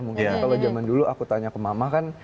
mungkin kalau zaman dulu aku tanya ke mama kan